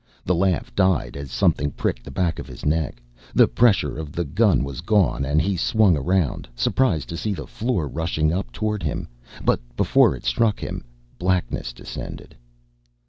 The laugh died as something pricked the back of his neck. The pressure of the gun was gone and he swung around, surprised to see the floor rushing up towards him, but before it struck him blackness descended.